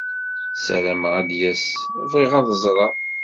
Ssarameɣ ad d-yas! Bɣiɣ ad t-ẓreɣ.